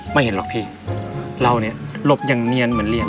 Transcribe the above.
ไม่เห็นหรอกพี่เราเนี่ยหลบอย่างเนียนเหมือนเรียน